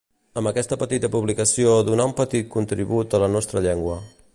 amb aquesta petita publicació donar un petit contribut a la nostra llengua